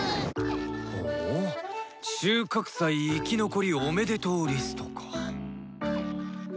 ほう「収穫祭生き残りおめでとうリスト」か。